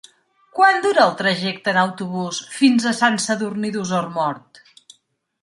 Quant dura el trajecte en autobús fins a Sant Sadurní d'Osormort?